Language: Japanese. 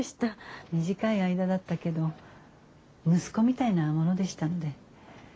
短い間だったけど息子みたいなものでしたので。